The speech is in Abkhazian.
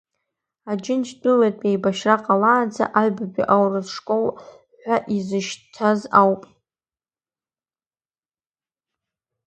Аџьынџьтәылатә еибашьра ҟалаанӡа аҩбатәи аурыс школ ҳәа изышьҭаз ауп.